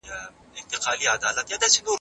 جنګ د څه شي لپاره دی؟